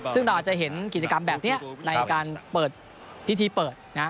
ซึ่งเราอาจจะเห็นกิจกรรมแบบนี้ในการเปิดพิธีเปิดนะฮะ